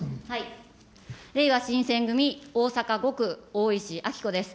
れいわ新選組大阪５区、大石あきこです。